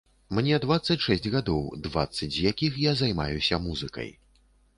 Мне дваццаць шэсць гадоў, дваццаць з якіх я займаюся музыкай.